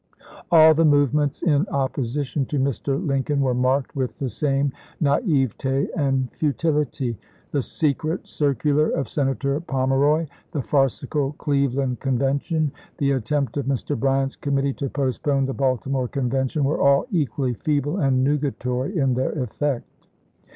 All the movements in opposition to Mr. Lincoln were marked with the same naivete and futility. The secret circular of Senator Pomeroy, the farcical Cleveland Conven tion, the attempt of Mr. Bryant's committee to post pone the Baltimore Convention, were all equally feeble and nugatory in their effect.